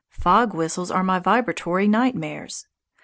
Fog whistles are my vibratory nightmares.